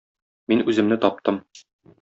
Мин үземне таптым